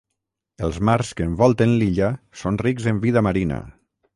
Els mars que envolten l'illa són rics en vida marina.